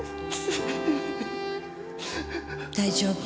大丈夫。